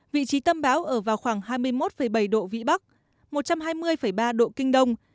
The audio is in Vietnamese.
vị trí tâm bão ở vào khoảng hai mươi một bảy độ vĩ bắc một trăm hai mươi ba độ kinh đông